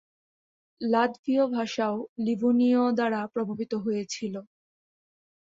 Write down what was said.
লাত্ভীয় ভাষাও লিভুনীয় দ্বারা প্রভাবিত হয়েছিল।